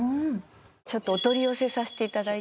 ちょっとお取り寄せさせて頂いて。